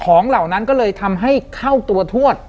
เหล่านั้นก็เลยทำให้เข้าตัวทวด